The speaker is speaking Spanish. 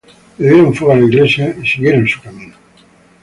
Le dieron fuego a la iglesia y siguieron su camino.